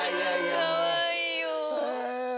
かわいいよ。